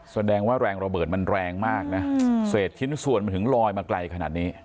แสดงว่าแรงระเบิดมันแรงมากนะเศษชิ้นส่วนมันถึงลอยมาไกลขนาดนี้